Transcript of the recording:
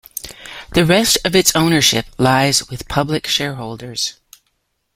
The rest of its ownership lies with public shareholders.